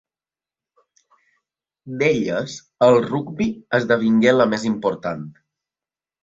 D'elles, el rugbi esdevingué la més important.